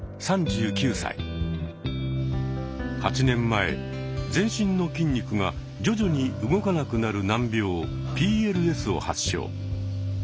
８年前全身の筋肉が徐々に動かなくなる難病「ＰＬＳ」を発症。